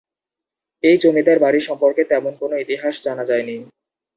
এই জমিদার বাড়ি সম্পর্কে তেমন কোনো ইতিহাস জানা যায়নি।